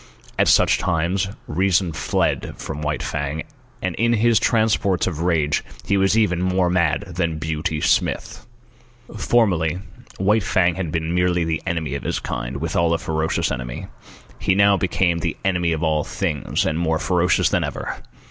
At such times reason fled from White Fang, and in his transports of rage he was even more mad than Beauty Smith. Formerly, White Fang had been merely the enemy of his kind, withal a ferocious enemy. He now became the enemy of all things, and more ferocious than ever.